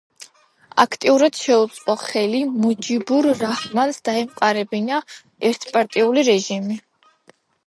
აქტიურად შეუწყო ხელი მუჯიბურ რაჰმანს დაემყარებინა ერთპარტიული რეჟიმი.